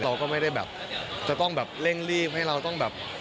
เราก็ไม่ได้แบบจะต้องแบบเร่งรีบให้เราต้องแบบ